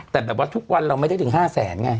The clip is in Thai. แต่แบบว่าทุกวันเราไม่ได้ถึง๕แสนไง